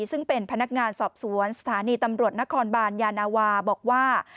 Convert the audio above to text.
ซึ่งเป็นพนักงานสอบสวนสถานีตำรวจนครบานยานาวาบอกว่า